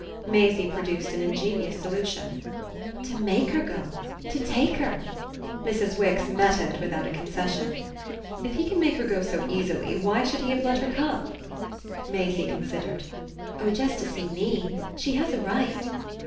Maisie produced an ingenious solution. "To MAKE her go. To take her." Mrs. Wix met it without a concession. "If he can make her go so easily, why should he have let her come?" Maisie considered. "Oh just to see ME. She has a right."